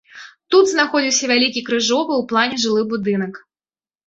Тут знаходзіўся вялікі крыжовы ў плане жылы будынак.